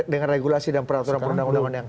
dengan regulasi dan peraturan perundang undangan yang